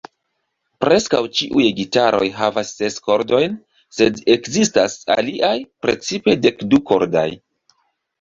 Preskaŭ ĉiuj gitaroj havas ses kordojn, sed ekzistas aliaj, precipe dekdu-kordaj.